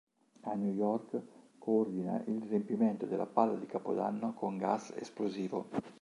A New York, coordina il riempimento della palla di Capodanno con gas esplosivo.